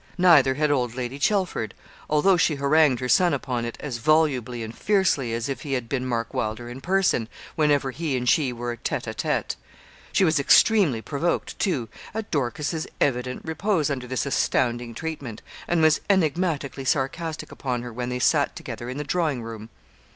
Neither had old Lady Chelford, although she harangued her son upon it as volubly and fiercely as if he had been Mark Wylder in person, whenever he and she were tête à tête. She was extremely provoked, too, at Dorcas's evident repose under this astounding treatment, and was enigmatically sarcastic upon her when they sat together in the drawing room.